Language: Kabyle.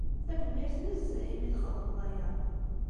Tanemmirt nezzeh imi txedmeḍ aya.